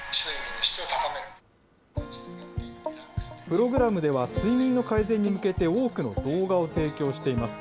プログラムでは、睡眠の改善に向けて多くの動画を提供しています。